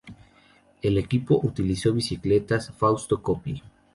El equipo utilizó bicicletas Fausto Coppi.